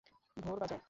ভোর বাজার।